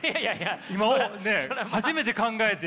今ね初めて考えて。